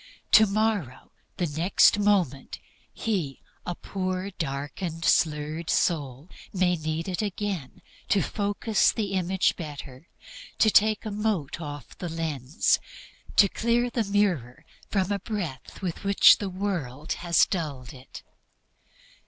Tomorrow, the next moment, he, a poor, darkened, blurred soul, may need it again to focus the Image better, to take a mote off the lens, to clear the mirror from a breath with which the world has dulled it.